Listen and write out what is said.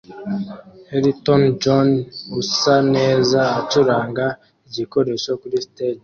Elton John usa neza acuranga igikoresho kuri stage